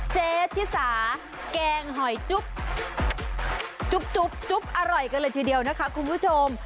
เจ๊ชิสาแกงหอยจุ๊บจุ๊บจุ๊บอร่อยกันเลยทีเดียวนะคะคุณผู้ชม